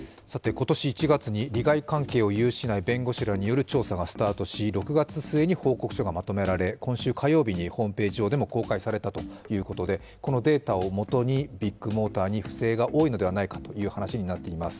今年１月に利害関係を有しない弁護士らによる調査がスタートし、６月末に報告書がまとめられ今週火曜日にホームページ上でも公開されたということでこのデータをもとにビッグモーターに不正が多いのではないかという話になっています。